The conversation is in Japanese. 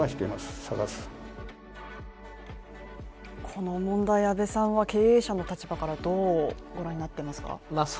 この問題、経営者の立場からどう御覧になっていますか？